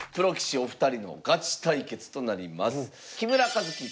お二人のガチ対決となります。